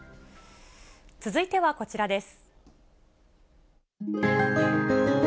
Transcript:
続いてはこちらです。